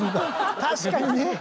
確かにね。